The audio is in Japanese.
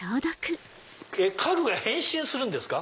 家具が変身するんですか？